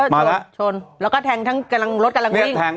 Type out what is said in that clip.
มาแล้วโชนแล้วก็แทงทั้งรถกำลังวิ่ง